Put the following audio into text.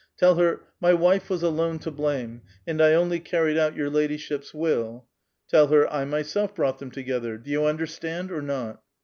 Tell her, ' My wife was alone to blame, and I only carried out your ladyship's will.' Tell her, ' I myself brought them together.' Do you understand or not?